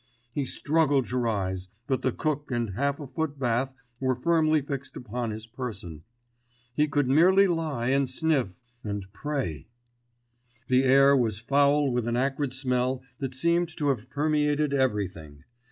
He struggled to rise, but the cook and half a foot bath were firmly fixed upon his person. He could merely lie and sniff—and pray. The air was foul with an acrid smell that seemed to have permeated everything.